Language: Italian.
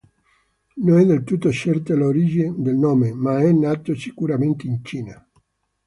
Non è del tutto certa l'origine del nome, ma è nato sicuramente in Cina.